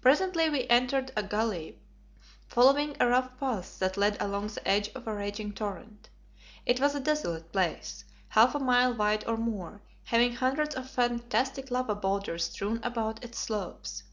Presently we entered a gully, following a rough path that led along the edge of a raging torrent. It was a desolate place, half a mile wide or more, having hundreds of fantastic lava boulders strewn about its slopes.